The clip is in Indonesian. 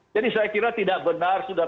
jadi saya kira tidak benar sudah